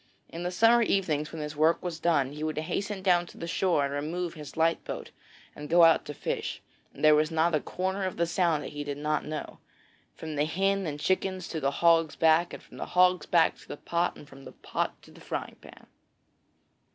In the summer evenings, when his work was done, he would hasten down to the shore and remove his light boat and go out to fish, and there was not a corner of the Sound that he did not know, from the Hen and Chickens to the Hog's Back, from the Hog's Back to the Pot, and from the Pot to the Frying Pan.